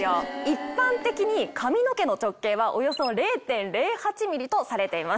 一般的に髪の毛の直径はおよそ０．０８ｍｍとされています。